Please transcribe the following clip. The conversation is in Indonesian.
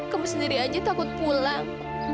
kamu sendiri aja takut pulang